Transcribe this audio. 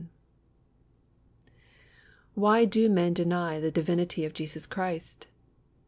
Why do men deny the divinity of Jesus Christ?